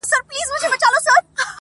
دغه خبرې کړه، نور بس راپسې وبه ژاړې_